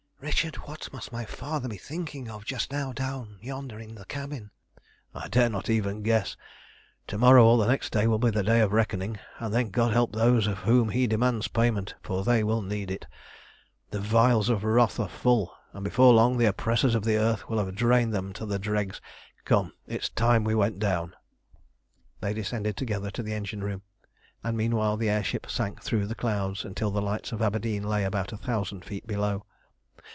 Richard, what must my father be thinking of just now down yonder in the cabin?" "I dare not even guess. To morrow or the next day will be the day of reckoning, and then God help those of whom he demands payment, for they will need it. The vials of wrath are full, and before long the oppressors of the earth will have drained them to the dregs. Come, it is time we went down." They descended together to the engine room, and meanwhile the air ship sank through the clouds until the lights of Aberdeen lay about a thousand feet below.